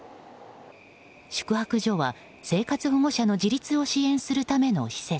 宿泊所は、生活保護者の自立を支援するための施設。